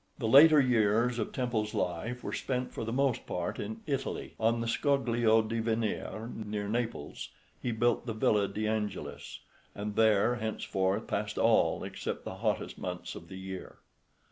The later years of Temple's life were spent for the most part in Italy. On the Scoglio di Venere, near Naples, he built the Villa de Angelis, and there henceforth passed all except the hottest months of the year.